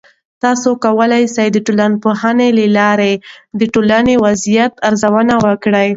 تاسې کولای سئ د ټولنپوهنې له لارې د ټولنې وضعیت ارزونه وکړئ.